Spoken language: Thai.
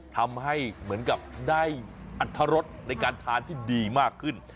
ทำให้เหมือนกับได้อัตรรสในการทานที่ดีมากขึ้น